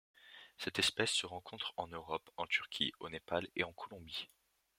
Cette espèce se rencontre en Europe, en Turquie, au Népal et en Colombie.